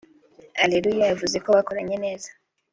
Areruya yavuze ko bakoranye neza